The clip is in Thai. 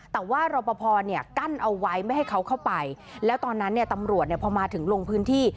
แต่ว่ารอปภเนี่ยกั้นเอาไว้ไม่ให้เขาเข้าไปแล้วตอนนั้นเนี่ยตำรวจเนี่ยพอมาถึงลงพื้นที่